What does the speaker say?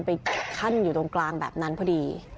พี่อุ๋ยพ่อจะบอกว่าพ่อจะรับผิดแทนลูก